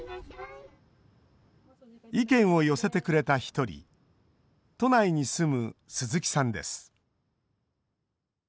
意見を寄せてくれた１人都内に住む鈴木さんです。